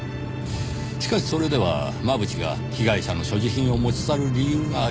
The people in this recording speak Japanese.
しかしそれでは真渕が被害者の所持品を持ち去る理由がありません。